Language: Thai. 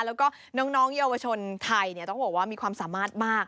แล้วก็น้องเยาวชนไทยต้องบอกว่ามีความสามารถมาก